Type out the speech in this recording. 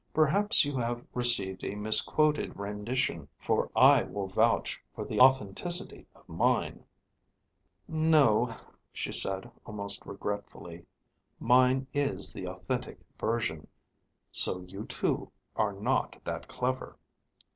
Perhaps you have received a misquoted rendition; for I will vouch for the authenticity of mine." "No," she said, almost regretfully. "Mine is the authentic version. So, you too, are not that clever."